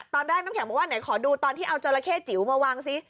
ตอนแรกน้ำแข็งบอกว่าขอดูตอนที่เอาจรเข้จิ๋วมาวางซิ